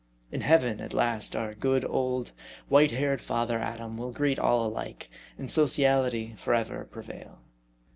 In heaven, at last, our good, old, white haired father Adam will greet all alike, and soci ality forever prevail.